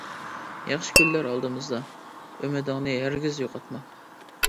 ياخشى كۈنلەر ئالدىمىزدا، ئۈمىدىڭنى ھەرگىز يوقاتما.